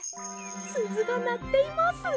すずがなっています！